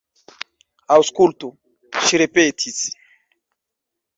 Aŭskultu, ŝi ripetis.